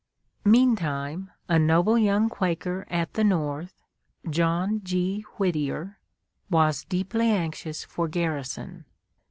Meantime, a noble young Quaker at the North, John G. Whittier, was deeply anxious for Garrison.